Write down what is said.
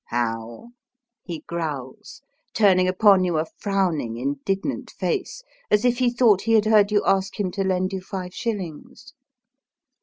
^^ How? "he growls, turning upon you a frowning, indignant face, as if he thought he had heard you ask him to lend you five shillings.